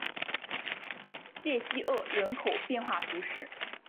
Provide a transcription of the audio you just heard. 谢西厄人口变化图示